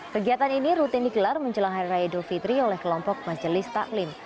kegiatan ini rutin digelar menjelang hari raya idul fitri oleh kelompok majelis taklim